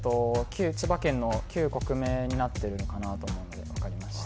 千葉県の旧国名になってるのかなと思うので分かりました・